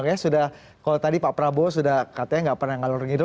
kalau tadi pak prabowo sudah katanya tidak pernah mengalur ngirau